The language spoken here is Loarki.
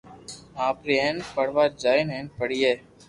آوي ھي ھين پڙوا جائين ھين پڙئي